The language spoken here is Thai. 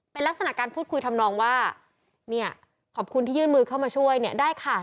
เป็นลักษณะการพูดคุยทำนองว่าเนี่ยขอบคุณที่ยื่นมือเข้ามาช่วยเนี่ยได้ค่ะ